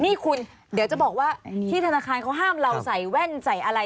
นี่คุณเดี๋ยวจะบอกว่าที่ธนาคารเขาห้ามเราใส่แว่นใส่อะไร